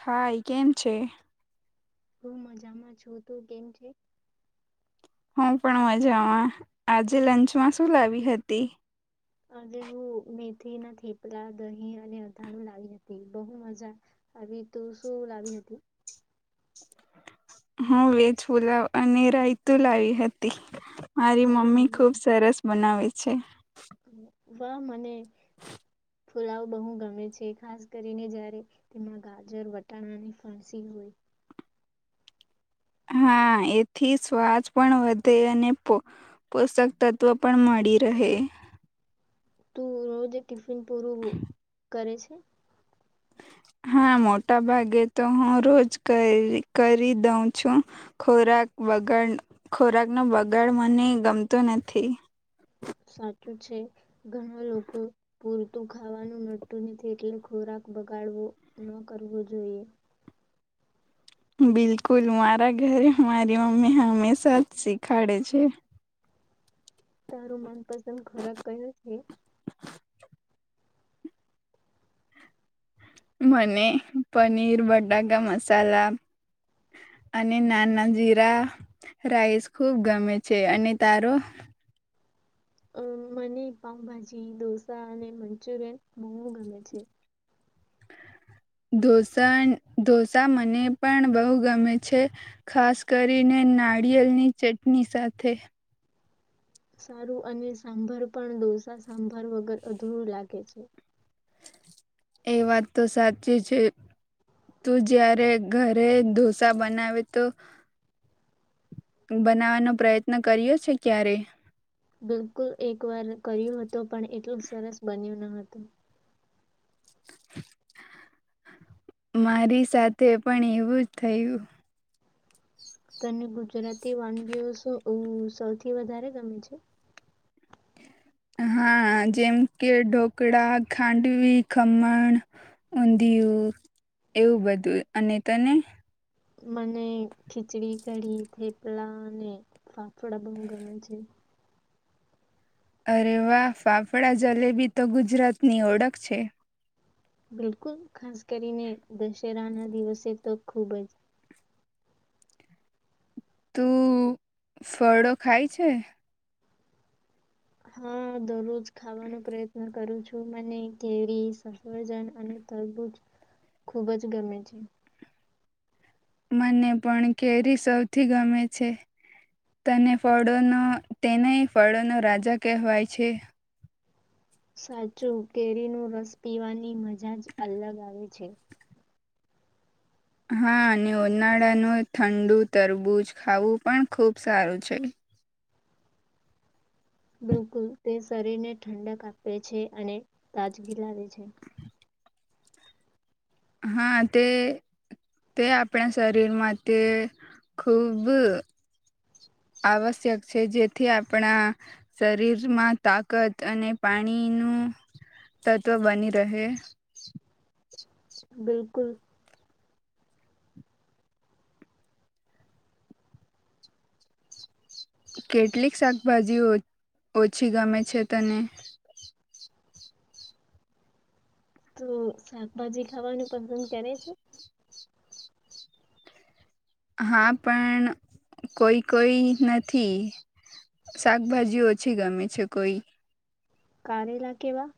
હા એ કેમ છે હું મજામાં છું તું કેમ છે હું પણ મજામાં આજે લંચમાં શું લાવી હતી અને હું મેથી ના થેપલા દહીં અને અથાણું લાવી હતી બહુ મજા આવી તું શું લાવી હતી હું વેજ પુલાવ અને રાયતું લાવી હતી મારી મમ્મી ખુબ સરસ બનાવે છે છે હા મને પુલાવ બહુ ગમે છે ખાસ કરીને જ્યારે તેમાં ગાજર વટાણા અને ફણસી હોય હા એથી શ્વાસ પણ વધે અને પોષક તત્વ પણ મળી રહે તું રોજે પૂરું કરે છે હ હા મોટા ભાગે તો હું રોજ કરી દઉં છું ખોરાક બગાડ ખોરાક નો બગાડ મને ગમતો નથી સાચું છે ઘણા લોકો પૂરતું ખાવાનું નડતું નથી એટલે ખોરાક બગાડવો ન કરવો જોઈએ બિલકુલ મારા ઘરે મારી મમ્મી હંમેશા જ શીખાડે છે તારું મન પસંદ ખોરાક કયો છે મને પનીર બટાકા મસાલા અને નાના જીરા રાઈસ ખુબ ગમે છે અને તારો અ મને પાઉભાજી ઢોસા અને મંચુરિયન મોમમું ગમે છે ઢોસા મને પણ બહુ ગમે છે ખાસ કરીને નારિયેળની ચટણી સાથે સારું અને સાંભાર પણ ડોસા સાંભાર વગર અધૂરું લાગે છે એ વાત તો સાચી છે તું જયારે ઘરે ઢોસા બનાવે તો બનાવાનો પ્રયત્ન કરી્યો છે ક્યારે બિલકુલ એક વાર કર્યું હતું પણ એટલું સરસ બન્યું ન હતું મારી સાથે પણ એવું જ થયું તને ગુજરાતી વાનગીઓ સૌથી વધારે ગમે છે હા જેમ કે ઢોકળા ખાંડવી ખમણ ઊંધિયું એવું બધું અને તને મને ખીચડી કડીી થેપલા અને ફાફડા બહુ ગમે છે અરે વાહ ફાફડા જલેબી તો ગુજરાતની ઓળખ છે બિલકુલ ખાસ કરીને દશેરાના દિવસે તો ખૂબ જ તું ફળો ખાય છે હા દરરોજ ખાવાનો પ્રયત્ન કરું છું મને કેરી સફજન અને તરબૂજ ખુબ જ ગમે છે મને પણ કેરી સૌથી ગમે છે તને ફળોનો તેને ફળોનો રાજા કહેવાય છે સાચું કેરી નું રસ પીવાની મજા જ્યાંજ અલગ આવે છે હા અને ઉનાળાનું ઠંડુ તરબૂજ ખાવું પણ ખુબ સારું છે બિલકુલ તે શરીરને ઠંડક આપે છે અને તાજગી લાવે છે હા તે તે આપણા શરીર માટે ખૂબ આવશ્યક છે જેથી આપણા શરીરમાં તાકત અને પાણીનું તત્વ બની રહે બિલકુલ કેટલીક શાકભાજીઓ ઓછી ગમે છે તને તો શાકભાજી ખાવાનું પસંદ કરે છે હા પણ કોઈ કોઈ નથી શાકભાજી ઓછી ગમે છે કોઈ કારેલા કેવા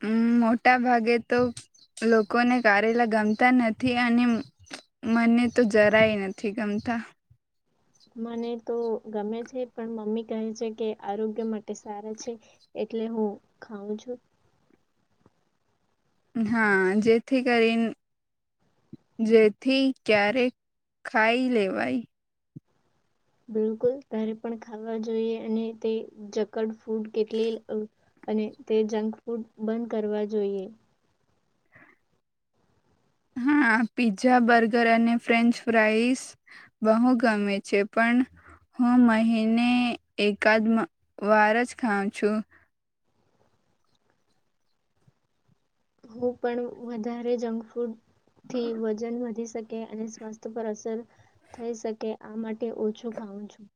હમ મોટા ભાગે તો લોકોને કારેલા ગમતા નથી અને મને તો જરાય નથી ગમતા મને તો ગમે છે પણ મમ્મી કહે છે કે આરોગ્ય માટે સારા છે એટલે હું ખઉં છું હા જેથી કરીને જેથી ક્યારેક ખાઈ લેવાય બિલકુલ તારે પણ ખાવા જોઈએ અને તે જકડ ફૂડ કેટલી અ અને તે જંક ફૂડ બંધ કરવા જોઈએ હા પીઝા બર્ગર અને ફ્રેન્ચ ફ્રાઈસ બહુ ગમે છે પણ હું મહિને એકાદ વાર જ ખાઉં છું હું પણ વધારે જંક ફૂડથી વજન વધી શકે અને સ્વાસ્થ્ય પર અસર થઈ શકે આ માટે ઓછું ખઉં છું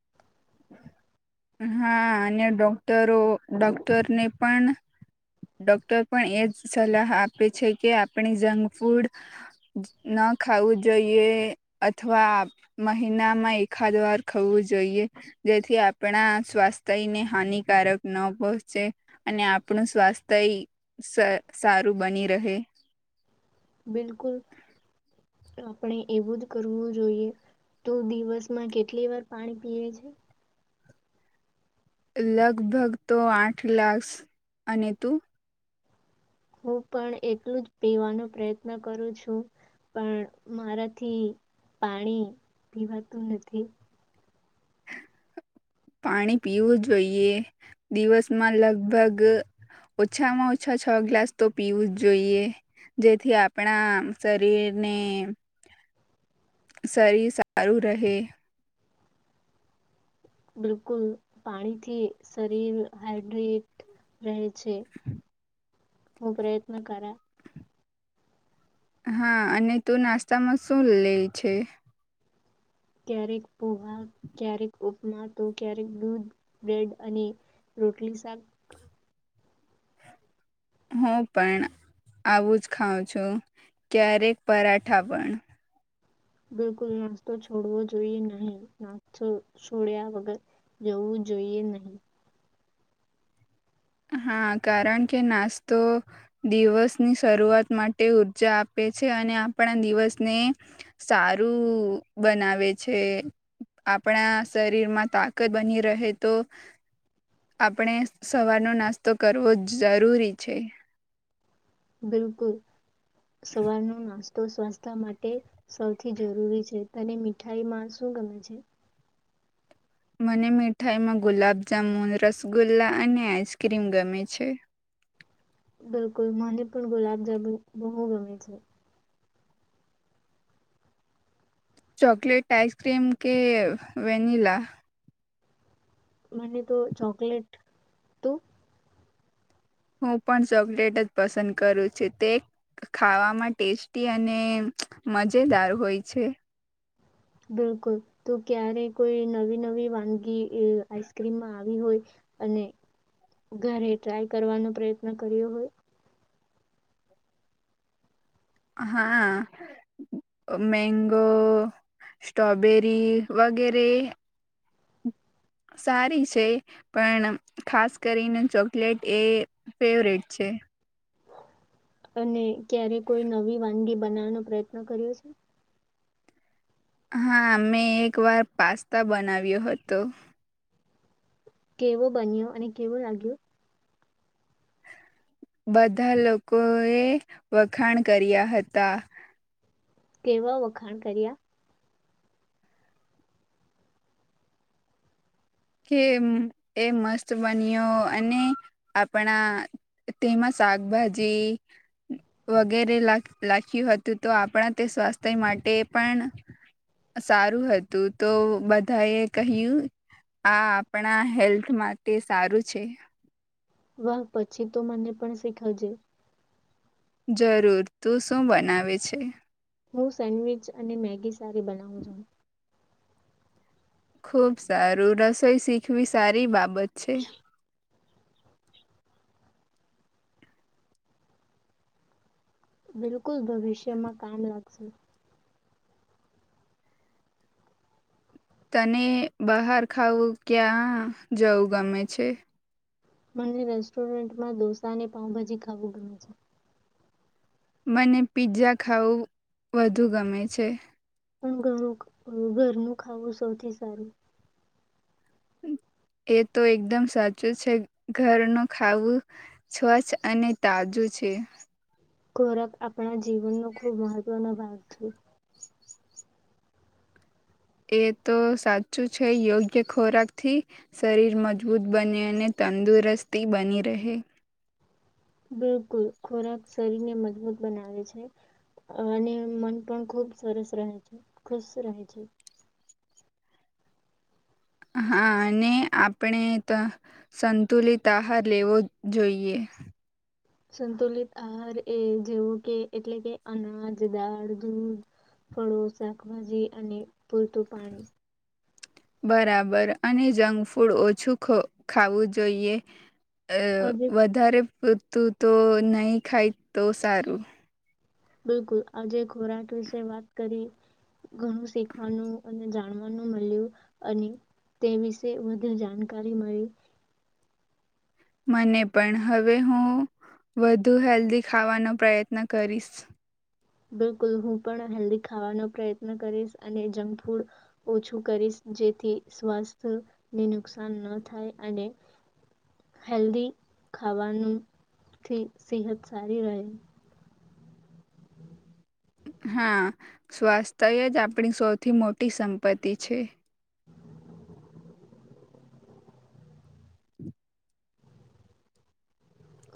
હા અને ડોક્ટરો ડોક્ટરને પણ ડોક્ટર પણ એજ સલાહ આપે છે કે આપણે જંક ફૂડ ન ખાવું જોઈએ અથવા મહિનામાં એકાદ વાર ખાવું જોઈએ જેથી આપણા સ્વાસ્થ્યને હાનિકારક ન પહોંચે અને આપણું સ્વાસ્થ્ય સ સારું બની રહે બિલકુલ આપણે એવું જ કરવું જોઈએ તો દિવસમાં કેટલી વાર પાણી પીએ છે લગભગ તો આઠ ગ્લાસ અને તું હું પણ એટલું જ પીવાનો પ્રયત્ન કરું છું પણ મારાથી પાણી પીવાતું નથી પાણી પીવું જોઈએ દિવસમાં લગભગ ઓછામાં ઓછા છ ગ્લાસ તો પીવું જ જોઈએ જેથી આપણા શરીરને શરીર સારું રહે બિલકુલ પાણીથી શરીર હાઈડ્રેટ રહે છે હુ પ્રયત્ન કરા હા અને તું નાસ્તામાં શું લે છે ક્યારેક પોહા ક્યારેક ઉપમા તો ક્યારેક દૂધ બ્રેડ અને રોટલી શાક હું પણ આવું જ ખાઉં છું ક્યારેક પરાઠા પણ બિલકુલ નાસ્તો છોડવો જોઈએ નહી નાસ્તો છોડ્યા વગર જવું જોઈએ નહી હા કારણ કે નાસ્તો દિવસની શરૂઆત માટે ઉર્જા આપે છે અને આપણા દિવસને સારું બનાવે છે આપણા શરીરમાં તાકત બની રહે તો આપણે સવાર નો નાસ્તો કરવો જરૂરી છે બિલકુલ સવારનુ નાસ્તો તો સ્વાસ્થ્ય માટે સૌથી જરૂરી છે તને મીઠાઈ માં શું ગમે છે. મને મીઠાઈમાં ગુલાબ જામુન રસગુલ્લા અને આઈસક્રીમ ગમે છે. બિલકુલ મને પણ ગુલાબજામુન બો ગમે છે. ચોકલેટ આઈસ ક્રીમ કે વેનલા મને તો ચોકલેટ તું હું પણ ચોકલેટ જ પસંદ કરું છું તે ખાવામાં ટેસ્ટી અને મજેદાર હોય છે. બિલકુલ તો ક્યારે કોઈ નવી નવી વાનગી આઈસક્રીમમાં આવી હોય અને ઘરે ટ્રાય કરવાનો પ્રયત્ન કર્યો હોય હા મેંગો સ્ટ્રોબેરી વગેરે સારી છે પણ ખાસ કરીને ચોકલેટ એ ફેવરેટ છે. અને ક્યારે કોઈ નવી વાનગી બનાવવાનો પ્રયત્ન કર્યો છે. હા મેં એક વાર પાસ્તા બનાવ્યો હતો કેવો બન્યો અને કેવો લાગ્યો બધા લોકો એ વખાણ કર્યા હતા. કેવા વખાણ કર્યા કે એ મસ્ત બન્યો અને આપણા તેમાં શાકભાજી વગેરે લાખ્યું હતું તો આપણા તે સ્વાસ્થ્ય માટે પણ સારું હતું તો બધા એ કહ્યું. આ આપણા હેલ્થ માટે સારું છે. વાહ પછી તો મને પણ શીખવજે જરૂર તું શું બનાવે છે. હું સેન્ડવિચ અને મેગી સારી બનાવું છું. ખૂબ સારું રસોઈ શીખવી સારી બા બત છે. બિલકુલ ભવિષ્યમાં કામ લાગશે તને બહાર ખાવું ક્યાં જવું ગમે છે. મને રેસ્ટોરન્ટમાં ડોસા અને પાઉભાજી ખાવું ગમે છે. મને પીઝા ખાવું વધુ ગમે છે. પણ ઘરનું ઘર નું ખાવું સૌથી સારું એ તો એકદમ સાચું છે ઘરનું ખાવું સ્વચ્છ અને તાજું છે. ખોરાક આપણા જીવનનો ખૂબ મહત્વનો ભાગ છે. એ તો સાચું છે યોગ્ય ખોરાકથી શરીર મજબૂત બને અને તંદુરસ્તી બની રહે બિલકુલ ખોરાક શરીરને મજબૂત બનાવે છે અને મન પણ ખૂબ સરસ રહે છે ખુશ રહે છે. હા અને આપણે સંતુલિત આહાર લેવો જોઈએ. સંતુલિત આહાર એ જેવો કે એટલે કે અનાજ દાળ દૂધ ફળો શાકભાજી અને પૂરતું પાણી બરાબર અને જંક ફૂડ ઓછું ખાવું જોઈએ. અ આજે વધારે પૂરતું તો નહી ખાય તો સારું બિલકુલ આજે ખોરાક વિશે વાત કરી ઘણું શીખવાનું અને જાણવાનું મળ્યું અને તે વિશે વધુ જાણકારી મળી મને પણ હવે હું વધુ હેલ્ધી ખાવાનો પ્રયત્ન કરીશ. બિલકુલ હું પણ હેલ્ધી ખાવાનો પ્રયત્ન કરીશ અને જંક ફૂડ ઓછું કરીશ જેથી સ્વાસ્થ્યને નુકસાન ન થાય અને હેલ્ધી ખાવાનુંથી સેહત સારી રહે. હા સ્વાસ્થ્ય જ આપણી સૌથી મોટી સંપત્તિ છે. [inaudible]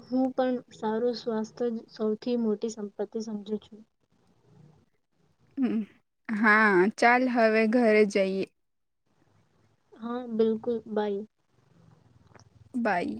હું પણ સારું સ્વાસ્થ્ય જ સૌથી મોટી સંપત્તિ સમજુ છું. હમ હા ચાલ હવે ઘરે જઈએ. હા બિલકુલ બાઈ બાય